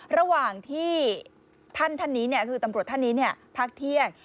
ระหว่างที่ท่านนี้คือตำรวจท่านนี้พักเที่ยง